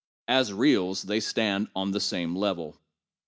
As reals, they stand on the same level.